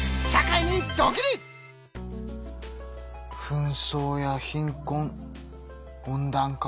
紛争や貧困温暖化。